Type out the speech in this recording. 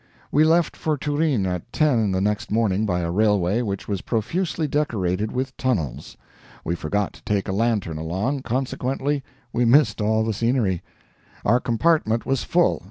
We left for Turin at ten the next morning by a railway which was profusely decorated with tunnels. We forgot to take a lantern along, consequently we missed all the scenery. Our compartment was full.